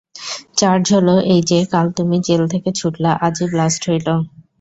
Charge হলো এই যে কাল তুমি জেল থেকে ছুটলা, আজই ব্লাস্ট হইলো।